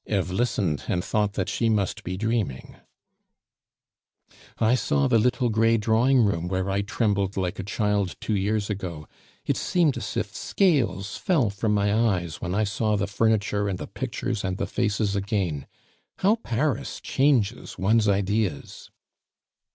Eve listened, and thought that she must be dreaming. "I saw the little gray drawing room where I trembled like a child two years ago; it seemed as if scales fell from my eyes when I saw the furniture and the pictures and the faces again. How Paris changes one's ideas!"